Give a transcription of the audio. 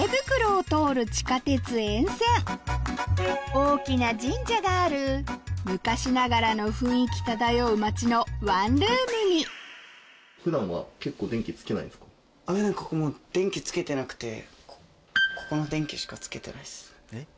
大きな神社がある昔ながらの雰囲気漂う街のワンルームにここの電気しかつけてないです。